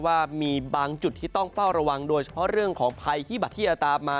ว่ามีบางจุดที่ต้องเฝ้าระวังโดยเฉพาะเรื่องของภัยฮิบัตรที่จะตามมา